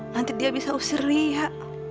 nanti dia bisa usir lia